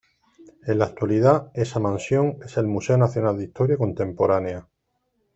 En la actualidad, esa mansión es el Museo Nacional de Historia Contemporánea.